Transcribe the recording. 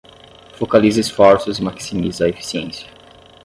Focaliza esforços e maximiza a eficiência